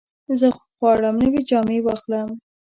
زه غواړم نوې جامې واخلم.